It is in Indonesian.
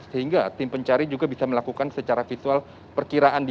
sehingga tim pencari juga bisa melakukan secara visual perkiraan di kapal selam